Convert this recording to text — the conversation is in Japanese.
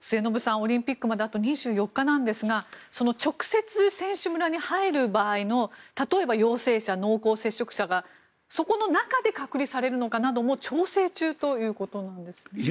オリンピックまであと２４日なんですが直接選手村に入る場合の例えば陽性者、濃厚接触者がそこの中で隔離されるのかも調整中ということなんですね。